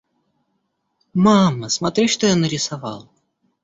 Мама, смотри что я нарисовал!